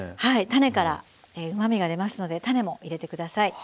種からうまみが出ますので種も入れてください。